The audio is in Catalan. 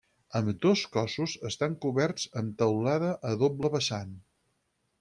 Ambdós cossos estan coberts amb teulada a doble vessant.